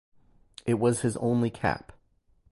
It was his only cap.